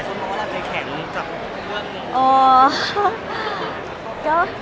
ผมเห็นหลายช่วงตอนว่าเราแทยแข็งจากเรื่องนี้